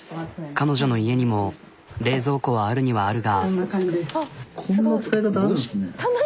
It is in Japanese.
彼女の家にも冷蔵庫はあるにはあるが。